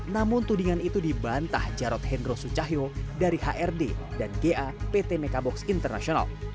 namun tudingan itu dibantah jarod hendro sucahyo dari hrd dan ga pt mekabox internasional